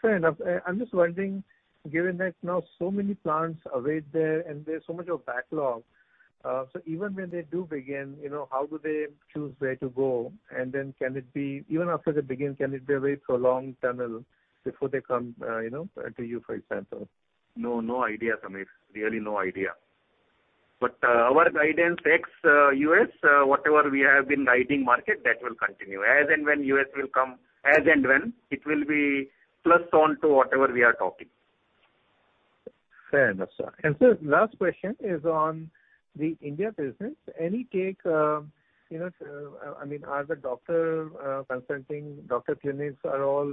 Fair enough. I'm just wondering, given that now so many plants await there, and there's so much of backlog, so even when they do begin, how do they choose where to go? Even after they begin, can it be a wait for long tunnel before they come to you, for example? No idea, Sameer. Really, no idea. Our guidance ex U.S., whatever we have been guiding market, that will continue. When U.S. will come, as and when it will be plus on to whatever we are talking. Fair enough, sir. Sir, last question is on the India business. Any take, I mean, are the doctor consulting, doctor clinics are all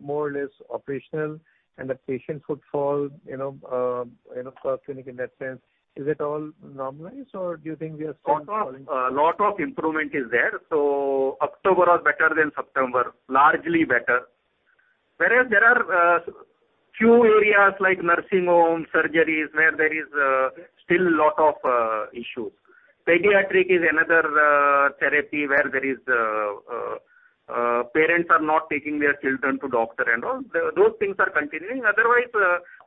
more or less operational, and the patient footfall per clinic in that sense, is it all normalized, or do you think we are still falling short? Lot of improvement is there. October was better than September, largely better. There are few areas like nursing homes, surgeries, where there is still lot of issues. Pediatric is another therapy where parents are not taking their children to doctor and all. Those things are continuing.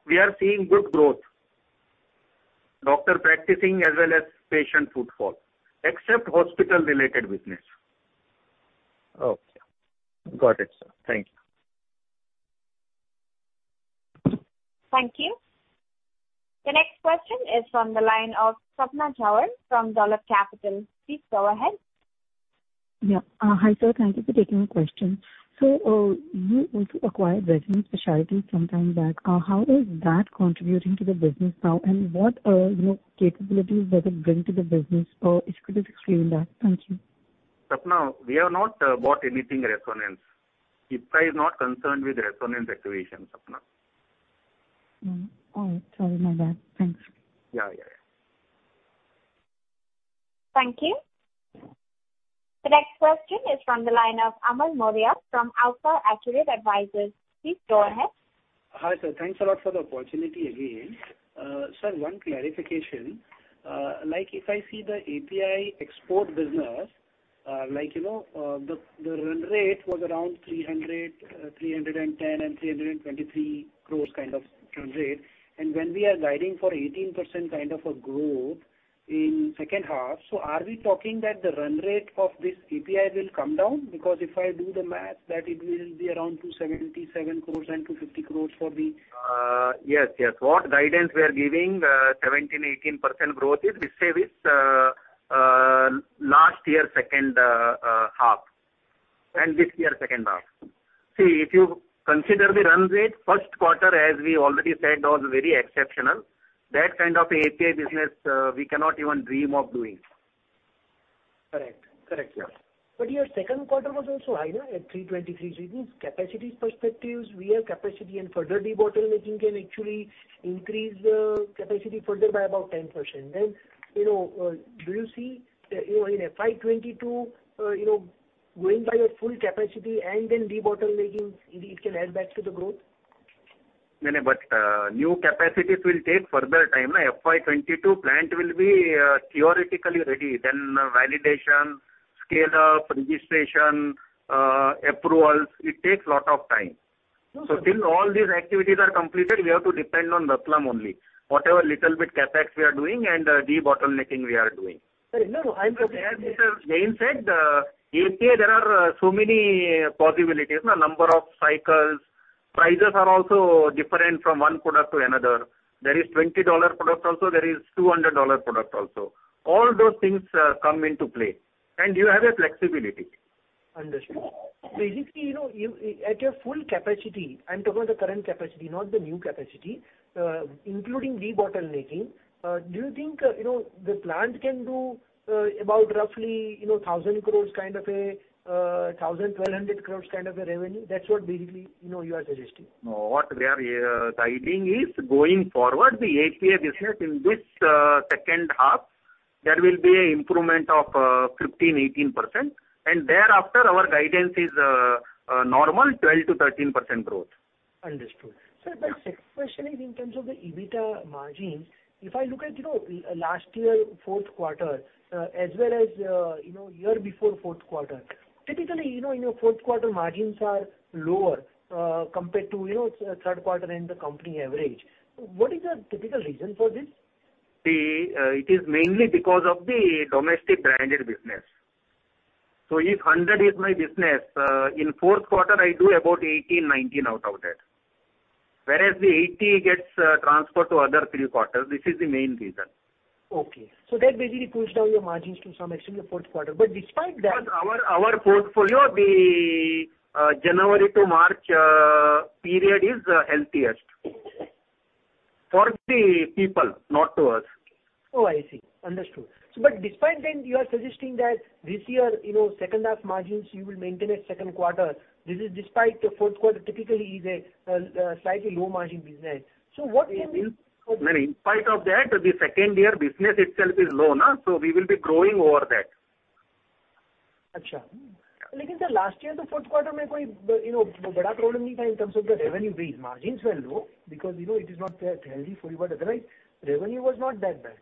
We are seeing good growth. Doctor practicing as well as patient footfall, except hospital-related business. Okay. Got it, sir. Thank you. Thank you. The next question is from the line of Sapna Jhawar from Dolat Capital. Please go ahead. Yeah. Hi, sir. Thank you for taking the question. You also acquired Resonance Specialities some time back. How is that contributing to the business now and what capabilities does it bring to the business? If you could just explain that. Thank you. Sapna, we have not bought anything Resonance. Ipca is not concerned with Resonance acquisitions, Sapna. Oh, sorry about that. Thanks. Yeah. Thank you. The next question is from the line of Amar Maurya from AlfAccurate Advisors. Please go ahead. Hi, sir. Thanks a lot for the opportunity again. Sir, one clarification. If I see the API export business, the run rate was around 300, 310 and 323 crores kind of run rate. When we are guiding for 18% kind of a growth in second half, are we talking that the run rate of this API will come down? Because if I do the math, that it will be around 277 crores and 250 crores for the- Yes. What guidance we are giving, 17%-18% growth is the same as last year's second half and this year's second half. See, if you consider the run rate, first quarter, as we already said, was very exceptional. That kind of API business we cannot even dream of doing. Correct. Yeah. Your second quarter was also high at 323. It means capacity perspectives, we have capacity and further debottlenecking can actually increase the capacity further by about 10%. Do you see in FY 2022, going by your full capacity and then debottlenecking, it can add back to the growth? New capacities will take further time. FY 2022 plant will be theoretically ready, then validation, scale-up, registration, approvals, it takes lot of time. Okay. Till all these activities are completed, we have to depend on Ratlam only. Whatever little bit CapEx we are doing and debottlenecking we are doing. Sir, no, I understand. As Jain said, API there are so many possibilities. Number of cycles, prices are also different from one product to another. There is $20 product also, there is $200 product also. All those things come into play, and you have a flexibility. Understood. Basically, at your full capacity, I'm talking about the current capacity, not the new capacity, including debottlenecking, do you think the plant can do about roughly 1,000 crores kind of a 1,200 crores kind of a revenue? That's what basically you are suggesting. No. What we are guiding is going forward, the API business in this second half, there will be improvement of 15%, 18%, and thereafter our guidance is a normal 12%-13% growth. Understood. Yeah. Sir, the second question is in terms of the EBITDA margins. If I look at last year, fourth quarter, as well as year before fourth quarter, typically, your fourth quarter margins are lower compared to third quarter and the company average. What is the typical reason for this? See, it is mainly because of the domestic branded business. If 100 is my business, in fourth quarter, I do about 80, 90 out of that. Whereas the 80 gets transferred to other three quarters. This is the main reason. Okay. That basically pushed down your margins to some extreme the fourth quarter. Despite that. Our portfolio, the January-March period is healthiest. For the people, not to us. Oh, I see. Understood. Despite then you are suggesting that this year, second half margins you will maintain a second quarter. This is despite the fourth quarter typically is a slightly low margin business. What can we. No, in spite of that, the second year business itself is low. We will be growing over that. Okay. Sir, last year in the fourth quarter there was no big problem in terms of the revenue base. Margins were low because it is not healthy for you, otherwise, revenue was not that bad.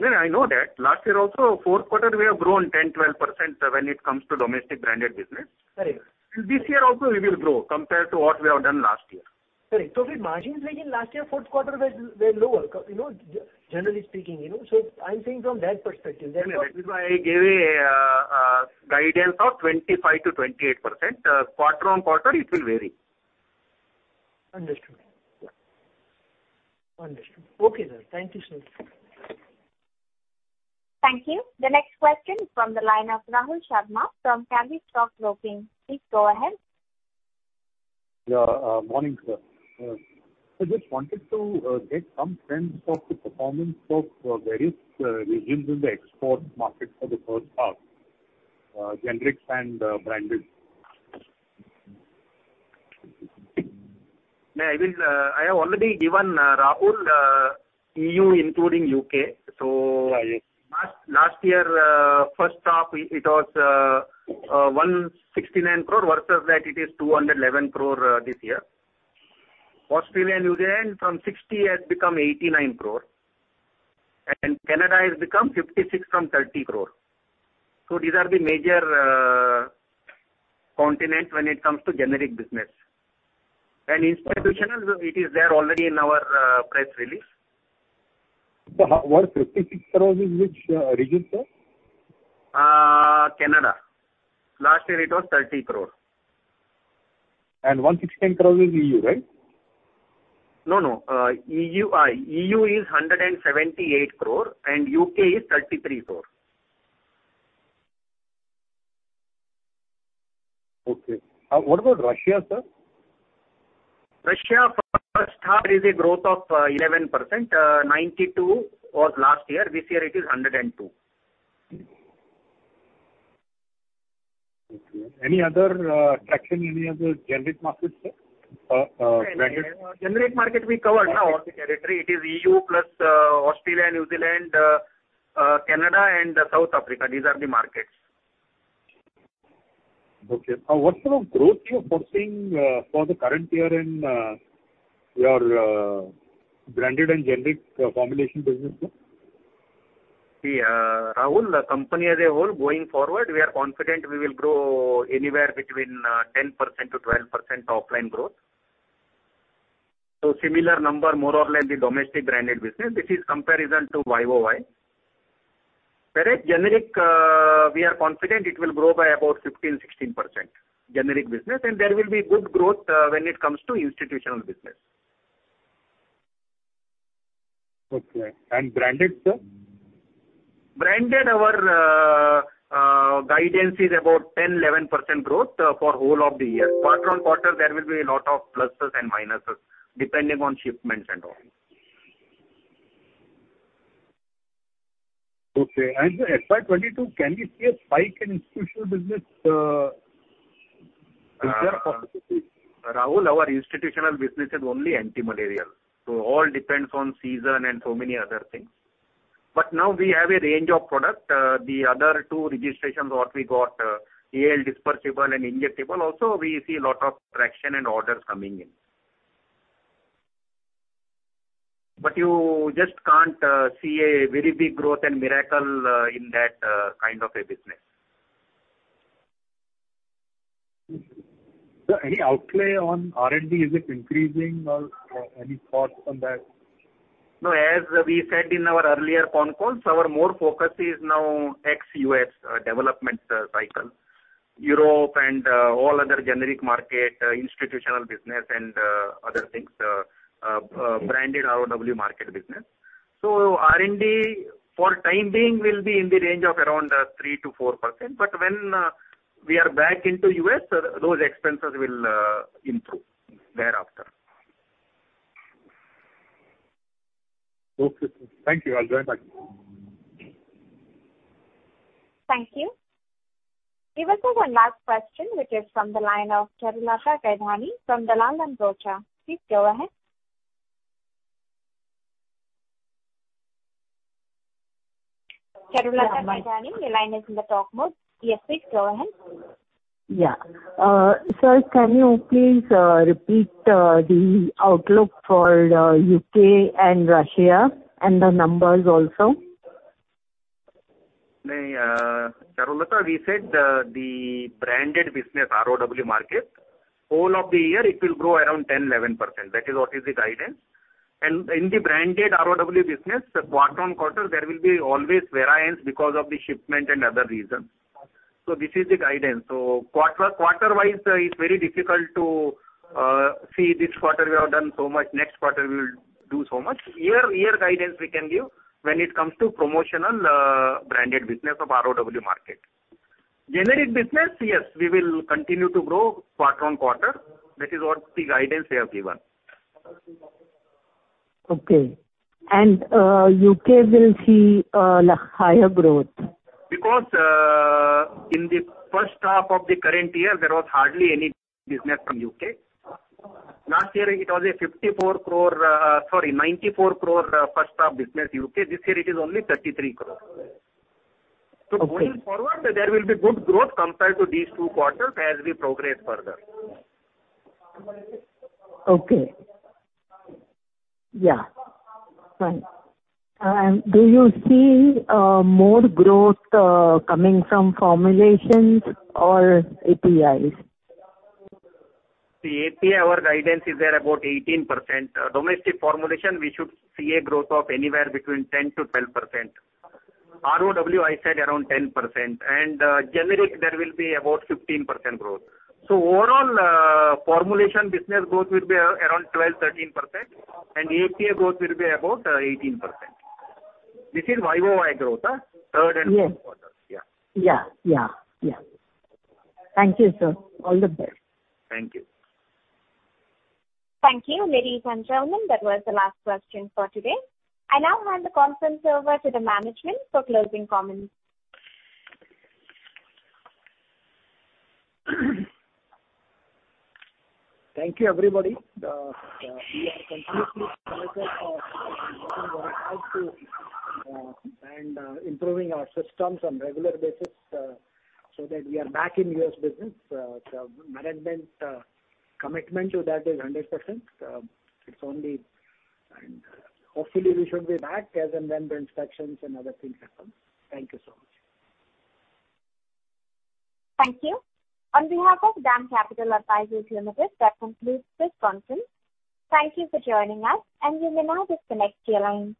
No, I know that. Last year also, fourth quarter we have grown 10%, 12% when it comes to domestic branded business. Correct. This year also we will grow compared to what we have done last year. Sorry. Again, margins again last year, fourth quarter were lower, generally speaking. I'm saying from that perspective. No, that is why I gave a guidance of 25%-28%. Quarter-on-quarter it will vary. Understood. Yeah. Understood. Okay, sir. Thank you so much. Thank you. The next question is from the line of Rahul Sharma from Karvy Stock Broking. Please go ahead. Yeah, morning, sir. I just wanted to get some sense of the performance of various regions in the export market for the first half, generics and branded. I have already given Rahul, EU including U.K. Okay. Last year first half it was 169 crore versus that it is 211 crore this year. Australia and New Zealand from 60 has become 89 crore. Canada has become 56 from 30 crore. These are the major continents when it comes to generic business. Institutional, it is there already in our press release Sir, INR 156 crore is which region, sir? Canada. Last year it was 30 crores. 116 crores is EU, right? No, EU is 178 crores and UK is 33 crores. Okay. What about Russia, sir? Russia, first half there is a growth of 11%, 92 was last year. This year it is 102. Okay. Any other traction, any other generic markets, sir? Branded? Generic market, we covered now all the territory. It is EU plus Australia, New Zealand, Canada, and South Africa. These are the markets. Okay. What sort of growth you're foreseeing for the current year in your branded and generic formulation business, sir? Rahul, the company as a whole going forward, we are confident we will grow anywhere between 10%-12% offline growth. Similar number, more or less, the domestic branded business. This is comparison to YoY. Generic, we are confident it will grow by about 15%, 16%, generic business. There will be good growth when it comes to institutional business. Okay. Branded, sir? Branded, our guidance is about 10%, 11% growth for whole of the year. Quarter-on-quarter, there will be a lot of pluses and minuses, depending on shipments and all. Okay. Sir, FY 2022, can we see a spike in institutional business? Is there a possibility? Rahul, our institutional business is only antimalarial. All depends on season and so many other things. Now we have a range of product. The other two registrations what we got, AL dispersible and injectable also, we see lot of traction and orders coming in. You just can't see a very big growth and miracle in that kind of a business. Sir, any outlay on R&D? Is it increasing or any thoughts on that? As we said in our earlier con calls, our more focus is now ex-U.S. development cycle. Europe and all other generic market, institutional business and other things, branded ROW market business. R&D, for time being, will be in the range of around 3%-4%, but when we are back into U.S., those expenses will improve thereafter. Okay, sir. Thank you. I'll join back. Thank you. We will take one last question, which is from the line of Charulata Gaidhani from Dalal & Broacha. Please go ahead. Charulata Gaidhani, your line is in the talk mode. Yes, please go ahead. Yeah. Sir, can you please repeat the outlook for U.K. and Russia, and the numbers also? Charulata, we said the branded business, ROW market, whole of the year, it will grow around 10%, 11%. That is what is the guidance. In the branded ROW business, quarter-on-quarter, there will be always variance because of the shipment and other reasons. This is the guidance. Quarter-wise, it's very difficult to say this quarter we have done so much, next quarter we will do so much. Year guidance we can give when it comes to promotional branded business of ROW market. Generic business, yes, we will continue to grow quarter-on-quarter. That is what the guidance we have given. Okay. U.K. will see a higher growth? In the first half of the current year, there was hardly any business from U.K. Last year it was a 94 crores first half business U.K. This year it is only 33 crores. Okay. Going forward, there will be good growth compared to these two quarters as we progress further. Okay. Yeah. Fine. Do you see more growth coming from formulations or APIs? See, API, our guidance is there about 18%. Domestic formulation, we should see a growth of anywhere between 10%-12%. ROW, I said around 10%. Generic, there will be about 15% growth. Overall, formulation business growth will be around 12%, 13%, and API growth will be about 18%. This is YoY growth, third and fourth quarter. Yes. Yeah. Yeah. Thank you, sir. All the best. Thank you. Thank you, ladies and gentlemen. That was the last question for today. I now hand the conference over to the management for closing comments. Thank you, everybody. We are continuously committed for and improving our systems on regular basis so that we are back in U.S. business. Management commitment to that is 100%. Hopefully we should be back as and when the inspections and other things happen. Thank you so much. Thank you. On behalf of DAM Capital Advisors Limited, that concludes this conference. Thank you for joining us, and you may now disconnect your line.